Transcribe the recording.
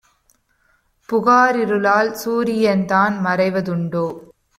புகாரிருளால் சூரியன்தான் மறைவ துண்டோ?